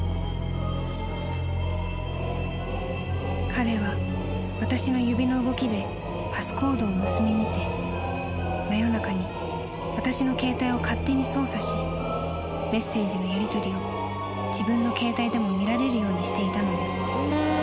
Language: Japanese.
［彼は私の指の動きでパスコードを盗み見て真夜中に私の携帯を勝手に操作しメッセージのやりとりを自分の携帯でも見られるようにしていたのです］